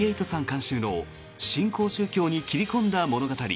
監修の新興宗教に切り込んだ物語。